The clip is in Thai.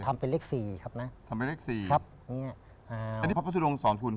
ทำเป็นเลขสี่ครับนะทำเป็นเลขสี่ครับอย่างเงี้ยอ่าอันนี้พระพุทธดงสอนคุณ